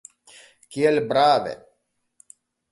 Kiel brave!